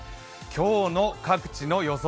今日の各地の予想